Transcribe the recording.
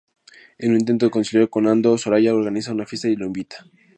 En un intento de conciliar con Nando, Soraya organiza una fiesta y lo invita.